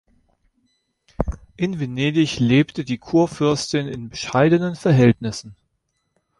In Venedig lebte die Kurfürstin in bescheidenen Verhältnissen.